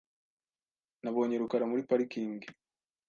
Nabonye rukara muri parikingi .